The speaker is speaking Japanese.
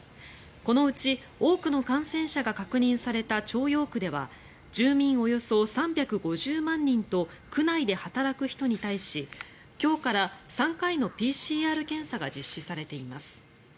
このうち、多くの感染者が確認された朝陽区では住民およそ３５０万人と区内で働く人に対し今日から３回のＰＣＲ検査が実施されています。